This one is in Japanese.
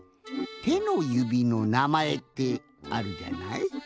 ての指のなまえってあるじゃない？